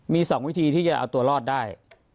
มี๒วิธีที่จะเอาตัวรอดได้